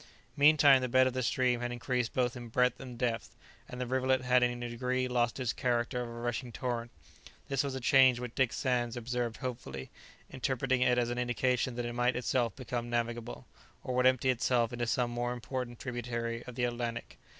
Meantime the bed of the stream had increased both in breadth and depth, and the rivulet had in a degree lost its character of a rushing torrent. This was a change which Dick Sands observed hopefully, interpreting it as an indication that it might itself become navigable, or would empty itself into some more important tributary of the Atlantic.